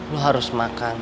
lu harus makan